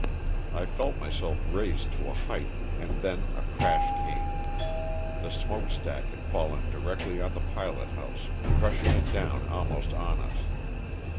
I felt myself raised to a height and then a crash came; the smoke stack had fallen directly on the pilot house crushing it down almost on us.